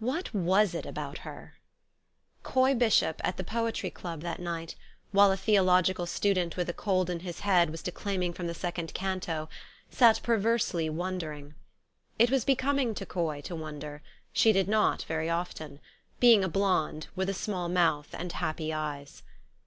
WHAT was it about her ? Coy Bishop at the Poetry Club that night, while a theological student with a cold in his head was declaiming from the second canto, sat per versely wondering. It was becoming to Coy to wonder ; she did" not very often, being a blonde, with a small mouth and happy eyes.